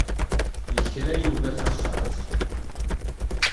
Yekra Yuba taxxamt.